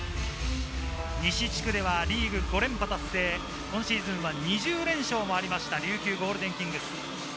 西地区ではリーグ５連覇達成、今シーズンは２０連勝もありました、琉球ゴールデンキングス。